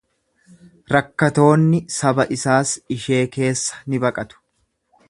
Rakkatoonni saba isaas ishee keessa ni baqatu.